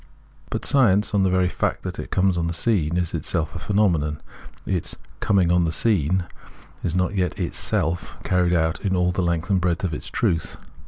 But science, in the very fact that it comes on the scene, is itself a phenomenon ; its " coming on the scene " is not yet itself carried out in all the length and breadth of its truth.